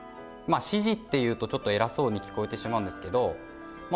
指示って言うとちょっとえらそうに聞こえてしまうんですけどま